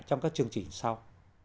trong các chương trình sau